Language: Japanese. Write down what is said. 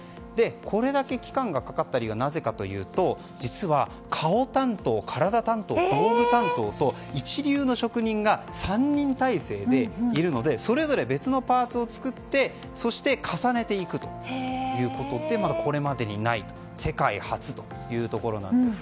これだけ期間がかかった理由はなぜかというと実は顔担当、体担当、道具担当と一流の職人が３人体制でいるのでそれぞれ別のパーツを作ってそして重ねていくということでこれまでにない世界初というところなんです。